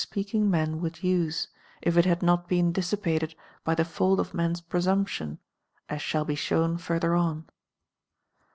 eaking men would use, if it had not been dissipated by the fault of man's presumption, as shall be shown further on.